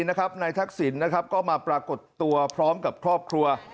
นายทักษิณนะครับก็มาปรากฏตัวพร้อมกับครอบครัว